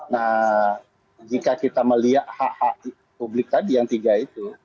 nah jika kita melihat hak hak publik tadi yang tiga itu